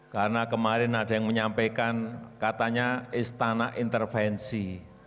karena kemarin ada yang menyampaikan katanya istana intervensi